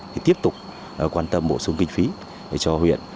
thì tiếp tục quan tâm bổ sung kinh phí cho huyện